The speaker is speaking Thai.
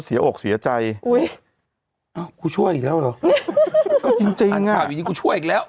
เสียอกเสียใจอุ้ยอ้าวกูช่วยอีกแล้วเหรอก็จริงอ่ะกูช่วยอีกแล้ว